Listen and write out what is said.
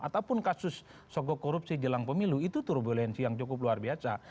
ataupun kasus soko korupsi jelang pemilu itu turbulensi yang cukup luar biasa